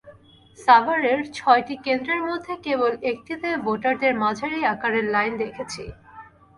সাভারের ছয়টি কেন্দ্রের মধ্যে কেবল একটিতে ভোটারদের মাঝারি আকারের লাইন দেখেছি।